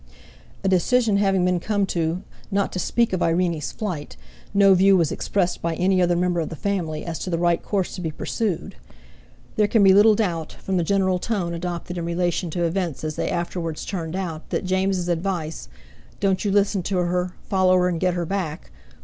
A decision having been come to not to speak of Irene's flight, no view was expressed by any other member of the family as to the right course to be pursued; there can be little doubt, from the general tone adopted in relation to events as they afterwards turned out, that James's advice: "Don't you listen to her, follow her and get her back!"